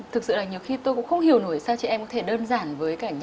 thực sự là nhiều khi tôi cũng không hiểu nổi sao chị em có thể đơn giản với cả nhân tính này